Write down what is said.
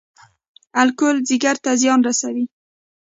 الکول ځیګر ته څه زیان رسوي؟